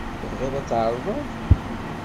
Tebɣiḍ ad tɛerḍeḍ?